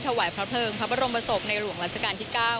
ถวายพระเพลิงพระบรมศพในหลวงราชการที่๙